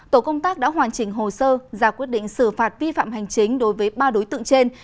tổ công tác đã hoàn chỉnh hồ sơ ra quyết định xử phạt vi phạm hành chính đối với ba đối tượng trên